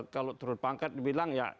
kalau turut pangkat dibilang ya